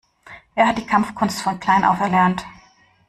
Er hat die Kampfkunst von klein auf erlernt.